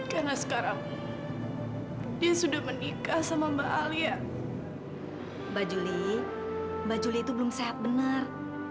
karena sekarang dia sudah menikah sama mbak alia mbak juli mbak juli itu belum sehat bener